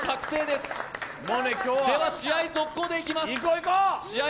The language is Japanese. では、試合続行でいきます。